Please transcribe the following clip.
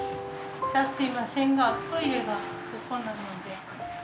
じゃあすいませんがトイレがそこなので。